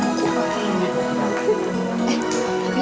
eh tapi maksudnya